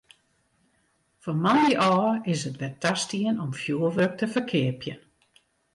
Fan moandei ôf is it wer tastien om fjurwurk te ferkeapjen.